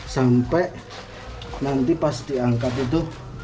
sampai nanti pas diangkat itu